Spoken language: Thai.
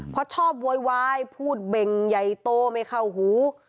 เพราะชอบโวยวายพูดเบ่งใหญ่โตไม่เข้าหู